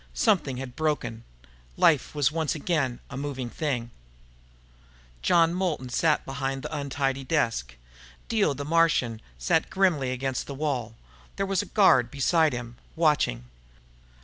Something had broken. Life was once again a moving thing. John Moulton sat behind the untidy desk. Dio the Martian sat grimly against the wall. There was a guard beside him, watching.